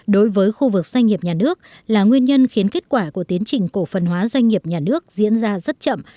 đối với khu vực doanh nghiệp nhà nước là nguyên nhân khiến kết quả của tiến trình cổ phần hóa doanh nghiệp nhà nước diễn ra rất chậm